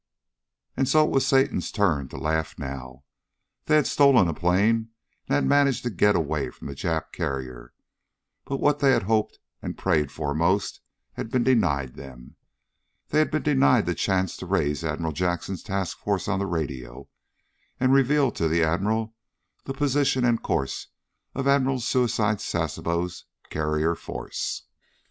And so it was Satan's turn to laugh now. They had stolen a plane, and had managed to get away from the Jap carrier, but what they had hoped and prayed for most had been denied them. They had been denied the chance to raise Admiral Jackson's task force on the radio and reveal to the Admiral the position and course of Admiral Suicide Sasebo's carrier force.